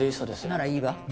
ならいいわ。